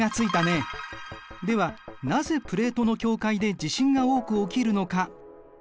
ではなぜプレートの境界で地震が多く起きるのか。